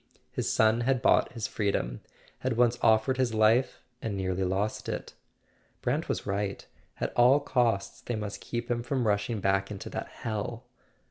His son had bought his freedom, had once offered his life and nearly lost it. Brant was right: at all costs they must keep him from rushing back into that hell.